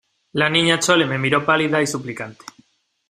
la Niña Chole me miró pálida y suplicante: